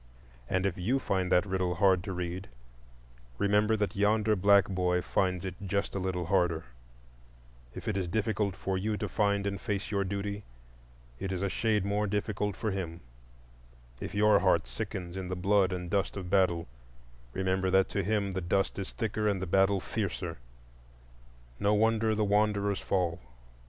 And if you find that riddle hard to read, remember that yonder black boy finds it just a little harder; if it is difficult for you to find and face your duty, it is a shade more difficult for him; if your heart sickens in the blood and dust of battle, remember that to him the dust is thicker and the battle fiercer. No wonder the wanderers fall!